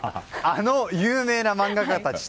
あの有名な漫画家たち。